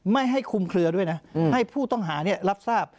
ไม่ให้คุมเคลือด้วยนะให้ผู้ต้องหารับทราบ